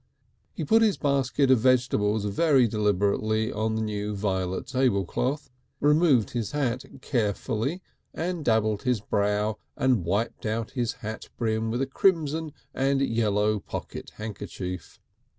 He put his basket of vegetables very deliberately on the new violet tablecloth, removed his hat carefully and dabbled his brow, and wiped out his hat brim with a crimson and yellow pocket handkerchief.